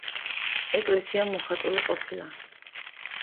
ეკლესია მოხატული ყოფილა.